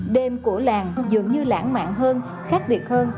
đêm của làng dường như lãng mạn hơn khác biệt hơn